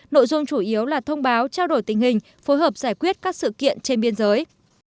nội dung chủ yếu là thông báo trao đổi tình hình phối hợp giải quyết các sự kiện trên biên giới